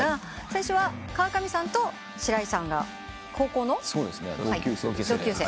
最初は川上さんと白井さんが高校の同級生？